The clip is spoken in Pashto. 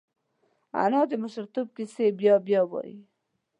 انا د ماشومتوب کیسې بیا بیا وايي